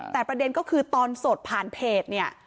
แต่ประเด็นก็คือตอนสดผ่านเพจเนี่ย